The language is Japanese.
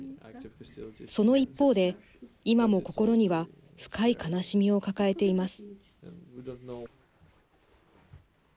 その一方で今も心には深い悲しみを抱えています。